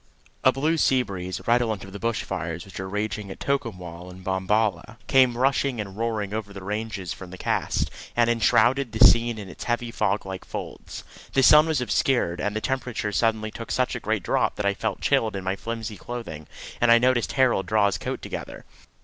A blue sea breeze, redolent of the bush fires which were raging at Tocumwal and Bombala, came rushing and roaring over the ranges from the cast, and enshrouded the scene in its heavy fog like folds. The sun was obscured, and the temperature suddenly took such a great drop that I felt chilled in my flimsy clothing, and I noticed Harold draw his coat together.